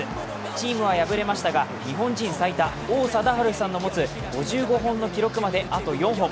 チームは敗れましたが日本人最多王貞治さんの持つ５５本の記録まであと４本。